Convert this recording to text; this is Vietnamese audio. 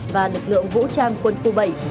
và lực lượng vũ trang quân khu bảy